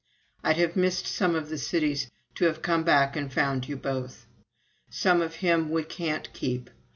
I'd have missed some of the cities to have come back and found you both. "Some of him we can't keep.